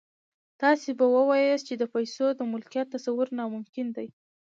تاسې به واياست چې د پيسو د ملکيت تصور ناممکن دی.